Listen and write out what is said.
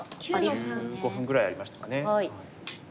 １５分ぐらいありましたかね。